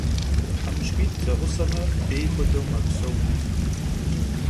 Themışç'it' zeğuseme, bêy xuedeu mepseu.